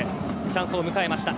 チャンスを迎えました。